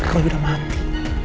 roy udah mati